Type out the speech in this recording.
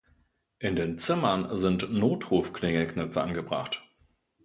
In den Zimmern sind Notruf-Klingelknöpfe angebracht.